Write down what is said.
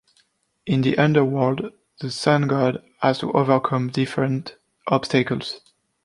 In the underworld, the sun-god has to overcome different obstacles.